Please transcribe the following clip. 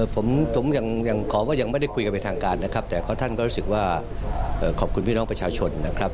ผมยังขอว่ายังไม่ได้คุยกันเป็นทางการนะครับแต่ท่านก็รู้สึกว่าขอบคุณพี่น้องประชาชนนะครับ